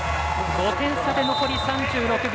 ５点差で残り３６秒。